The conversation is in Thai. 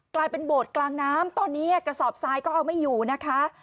กลายเป็นโบสถ์กลางน้ำตอนนี้กระสอบทรายก็เอาไม่อยู่นะคะ